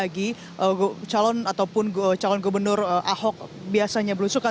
kalau biasanya setiap pagi calon ataupun calon gubernur ahok biasanya berusukan